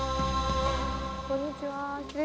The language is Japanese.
こんにちは。